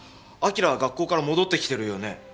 輝は学校から戻ってきてるよね？